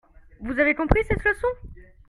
Vous avez compris cette leçon ?